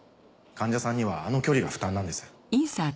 患者さんにはあの距離が負担なんです。